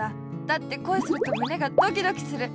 だってこいするとむねがドキドキする。